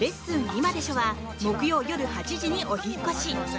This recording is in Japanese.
今でしょ」は木曜夜８時にお引っ越し。